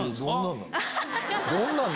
どんなの？